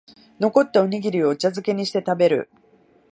残ったおにぎりをお茶づけにして食べる